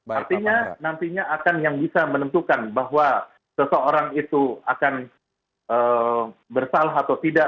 artinya nantinya akan yang bisa menentukan bahwa seseorang itu akan bersalah atau tidak